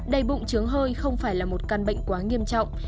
đầy bụng chướng hơi không phải là một căn bệnh quá nghiêm trọng